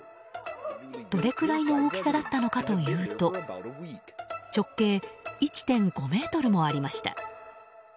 どれぐらいの大きさだったのかというと直径１．５ｍもありました。